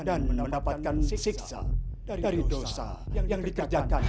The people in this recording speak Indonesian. dan mendapatkan siksa dari dosa yang dikerjakan